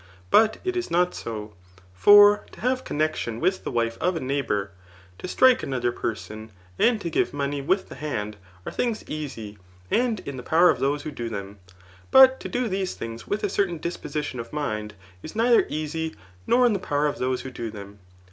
But it is not so ; for to have connexion with the wife of a neighbour, to strike another person, and to give money with the hand, are things easy, and in the power of those who do them j but to do these things With a certain disposition of mind,' is neither easy, nor in the power of those who do them.